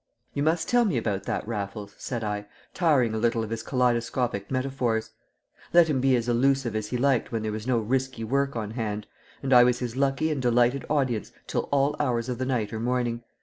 "You must tell me about that, Raffles," said I, tiring a little of his kaleidoscopic metaphors. Let him be as allusive as he liked when there was no risky work on hand, and I was his lucky and delighted audience till all hours of the night or morning.